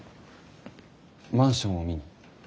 マンションを見に？